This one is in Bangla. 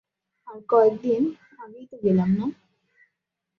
আর কয়েকদিন আগেই তো গেলাম না?